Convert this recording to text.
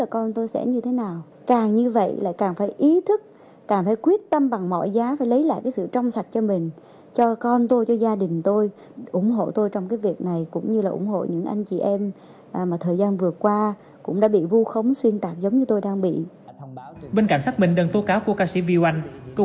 cơ quan cảnh sát điều tra công an tp hcm ca sĩ viu anh gửi thêm đơn yêu cầu khởi tố vụ án